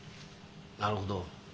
なるほど。